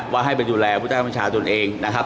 ว่าให้ไปดูแลผู้ชายมันชาติตัวเองนะครับ